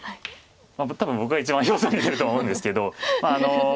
多分僕が一番表情に出るとは思うんですけど。